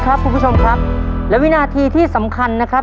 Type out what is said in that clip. คุณผู้ชมครับและวินาทีที่สำคัญนะครับ